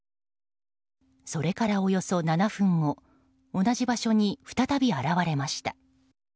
それから、およそ７分後同じ場所に再び現れました。